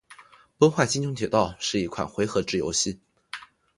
《崩坏：星穹铁道》是一款回合制游戏。